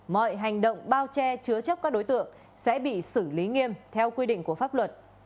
mọi hành động bao che chứa chấp các đối tượng sẽ bị xử lý nghiêm theo quy định của pháp luật